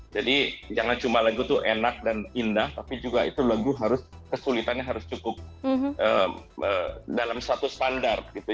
jadi jangan cuma lagu itu enak dan indah tapi juga itu lagu harus kesulitannya harus cukup dalam satu standar gitu